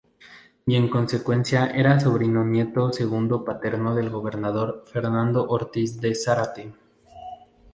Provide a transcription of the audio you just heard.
Y en consecuencia era sobrino nieto segundo paterno del gobernador Fernando Ortiz de Zárate.